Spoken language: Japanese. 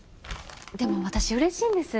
でも私嬉しいんです。